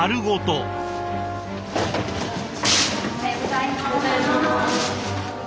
おはようございます。